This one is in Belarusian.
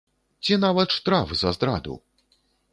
Ці нават штраф за здраду!